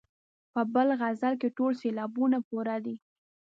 په بل غزل کې ټول سېلابونه پوره دي.